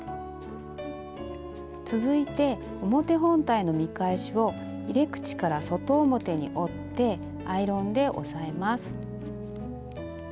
続いて表本体の見返しを入れ口から外表に折ってアイロンで押さえます。